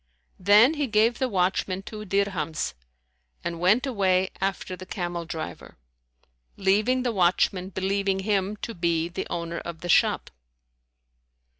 Then he gave the watchman two dirhams and went away after the camel driver, leaving the watchman believing him to be the owner of the shop.